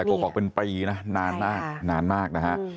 แต่กรอกกรอกเป็นปีนะนานมาก